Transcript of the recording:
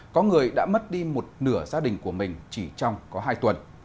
có người đã mất đi một nửa gia đình của mình chỉ trong có hai tuần